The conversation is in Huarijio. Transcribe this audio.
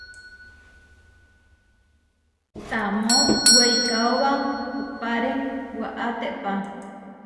Tamó weikaóba upáre waʼátepa.